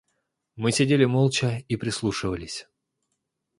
Мы сидели молча и прислушивались.